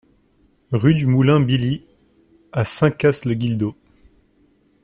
Rue du Moulin Bily à Saint-Cast-le-Guildo